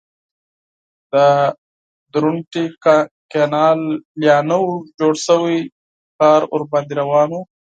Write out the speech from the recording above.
د درونټې کانال لا نه و جوړ شوی کار پرې روان و.